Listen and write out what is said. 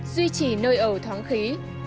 duy trì nơi ở thoáng khí